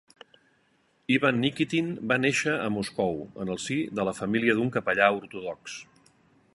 Ivan Nikitin va néixer a Moscou en el si de la família d'un capellà ortodox.